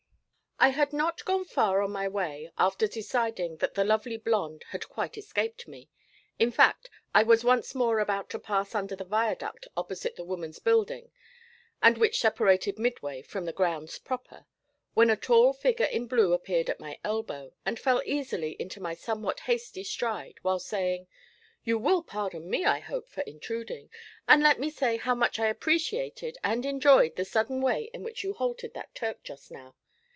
I had not gone far on my way after deciding that the lovely blonde had quite escaped me in fact, I was once more about to pass under the viaduct opposite the Woman's Building and which separated Midway from the grounds proper when a tall figure in blue appeared at my elbow, and fell easily into my somewhat hasty stride while saying: 'You will pardon me, I hope, for intruding, and let me say how much I appreciated and enjoyed the sudden way in which you halted that Turk just now.